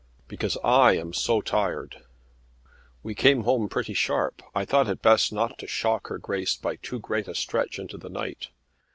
"Because I am so tired." "We came home pretty sharp. I thought it best not to shock her Grace by too great a stretch into the night.